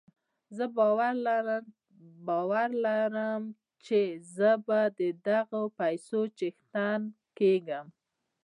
زه باور لرم چې زه به د دغو پيسو څښتن کېږم.